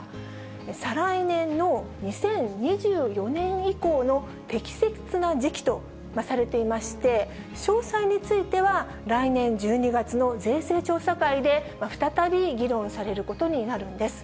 再来年の２０２４年以降の適切な時期とされていまして、詳細については、来年１２月の税制調査会で、再び議論されることになるんです。